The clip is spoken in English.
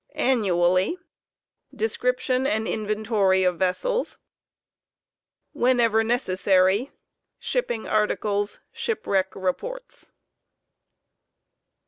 Annually: Description and inventory of vessels. Whenevernece88ary: Shipping articles. *' Shipwreck reports.